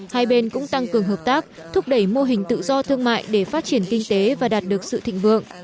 hai bên cũng tăng cường hợp tác thúc đẩy mô hình tự do thương mại để phát triển kinh tế và đạt được sự thịnh vượng